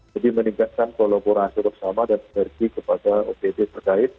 jadi meningkatkan kolaborasi bersama dan berhenti kepada opd terkait